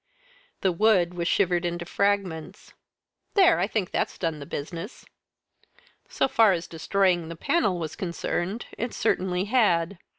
The wood was shivered into fragments. "There! I think that's done the business." So far as destroying the panel was concerned, it certainly had.